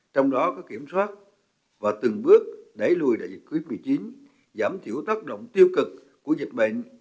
trong đó có kiểm soát và từng bước đẩy lùi đại dịch covid một mươi chín giảm chịu tác động tiêu cực của dịch bệnh